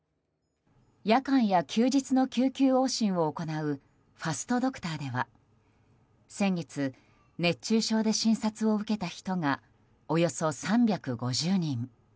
夜間や休日の救急往診を行うファストドクターでは先月、熱中症で診察を受けた人がおよそ３５０人。